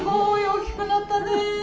大きくなったね。